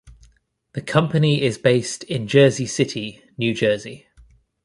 The company is based in Jersey City, New Jersey.